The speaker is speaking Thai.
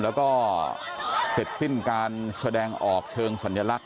แล้วก็เสร็จสิ้นการแสดงออกเชิงสัญลักษณ